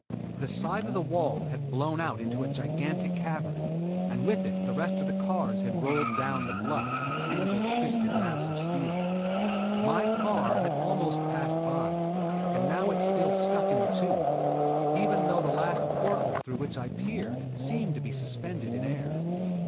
The side of the wall had blown out into a gigantic cavern, and with it the rest of the cars had rolled down the bluff a tangled, twisted mass of steel. My car had almost passed by, and now it still stuck in the tube, even though the last port hole through which I peered seemed to be suspended in air.